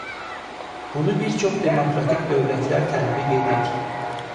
Bunu bir çox demokratik dövlətlər tətbiq edir.